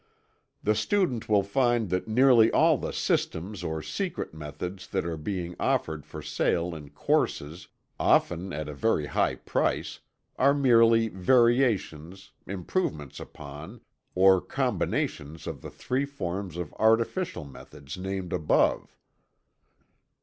The student will find that nearly all the "systems" or "secret methods" that are being offered for sale in "courses," often at a very high price, are merely variations, improvements upon, or combinations of the three forms of artificial methods named above.